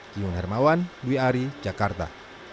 diun hermawan dwi ari jakarta